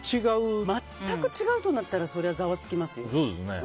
全く違うとなったらそれはざわつきますよ。